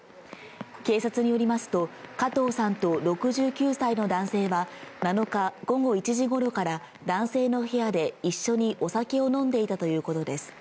警察によりますと、加藤さんと６９歳の男性は、７日午後１時ごろから男性の部屋で一緒にお酒を飲んでいたということです。